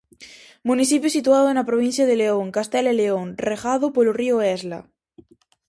Municipio situado na provincia de León, Castela e León, regado polo río Esla.